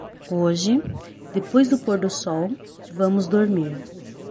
hoje, depois do pôr-do-sol, vamos dormir.